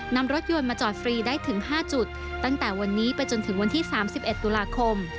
นำรถยนต์มาจอดฟรีได้ถึง๕จุดตั้งแต่วันนี้ไปจนถึงวันที่๓๑ตุลาคม